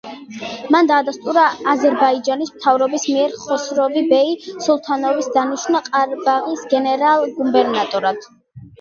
მან დაადასტურა აზერბაიჯანის მთავრობის მიერ ხოსროვ ბეი სულთანოვის დანიშვნა ყარაბაღის გენერალ-გუბერნატორად.